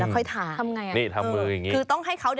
เพราะอย่างไร